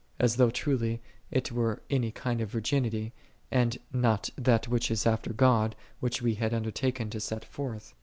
As though truly it were any kind of virginity, and not that which is after God, which we had undertaken to set forth.